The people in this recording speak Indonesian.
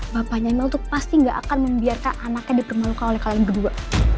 bapaknya emil itu pasti gak akan membiarkan anaknya dipermalukan oleh kalian berdua